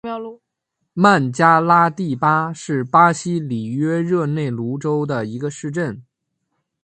曼加拉蒂巴是巴西里约热内卢州的一个市镇。